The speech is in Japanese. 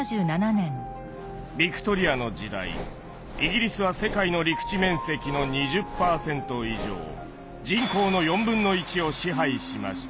ヴィクトリアの時代イギリスは世界の陸地面積の２０％以上人口の４分の１を支配しました。